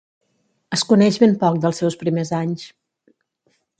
Es coneix ben poc dels seus primers anys.